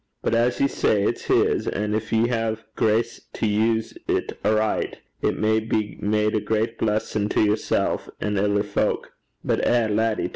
But as ye say, it's his, and gin ye hae grace to use 't aricht, it may be made a great blessin' to yersel' and ither fowk. But eh, laddie!